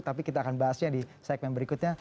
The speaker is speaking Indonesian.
tapi kita akan bahasnya di segmen berikutnya